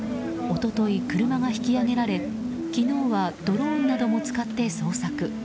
一昨日、車が引き上げられ昨日はドローンなども使って捜索。